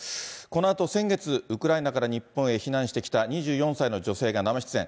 このあと、先月、ウクライナから日本へ避難してきた２４歳の女性が生出演。